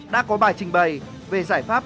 đã có bài trình bày về giải pháp